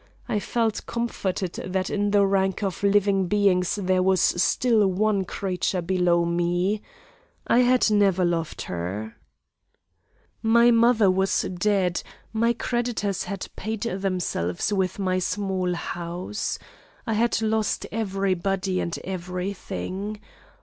I felt comforted that in the rank of living beings there was still one creature below me. I had never loved her. "My mother was dead, my creditors had paid themselves with my small house. I had lost every body and every thing.